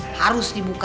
akhirnya saya gak boleh